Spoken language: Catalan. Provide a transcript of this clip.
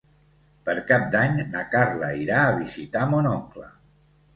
Per Cap d'Any na Carla irà a visitar mon oncle.